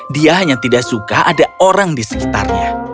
dia hanya tidak suka ada orang di sekitarnya